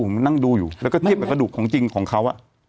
ผมนั่งดูอยู่แล้วก็เทียบกับกระดูกของจริงของเขา